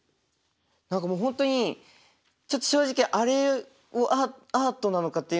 何かもう本当にちょっと正直あれもアートなのかっていうのがちょっと。